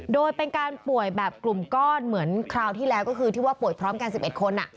โดยเป็นการป่วยแบบกลุ่มก้อนเหมือนคราวที่แล้วก็คือที่ว่าป่วยพร้อมกัน๑๑คน